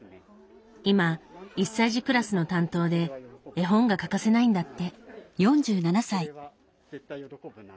今１歳児クラスの担当で絵本が欠かせないんだって。